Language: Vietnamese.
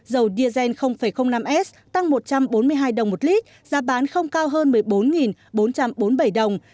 dầu diesel năm s tăng một trăm bốn mươi hai đồng một lít giá bán không cao hơn một mươi bốn bốn trăm bốn mươi bảy đồng